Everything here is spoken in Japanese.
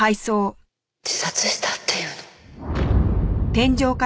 自殺したっていうの？